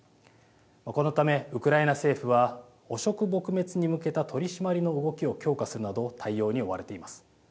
このためウクライナ政府は汚職撲滅に向けた取締りの動きを強化するなど対応に追われています。